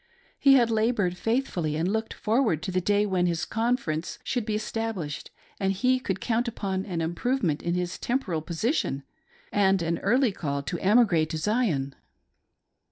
He had labored faithfully, and looked forward to the day when his "conference" should be established, and he could count upon an improvement in his temporal position, and an early call to emigrate to Zion.